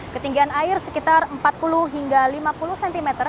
ketinggian air sekitar empat puluh hingga lima puluh cm